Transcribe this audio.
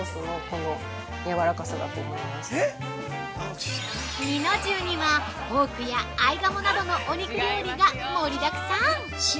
◆弐の重にはポークやアイガモなどのお肉料理が盛りだくさん。